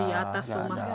di atas belum ada modanya